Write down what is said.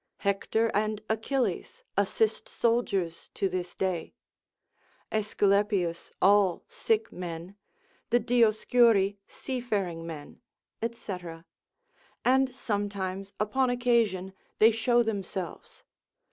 Hector and Achilles assist soldiers to this day; Aesculapius all sick men, the Dioscuri seafaring men, &c. and sometimes upon occasion they show themselves.